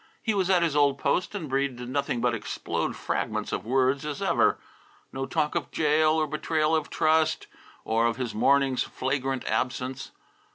He was at his old post, and Breede did nothing but explode fragments of words as ever. No talk of jail or betrayal of trust or of his morning's flagrant absence.